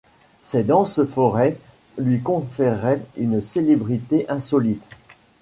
Ses denses forêts lui conféraient une célébrité insolite.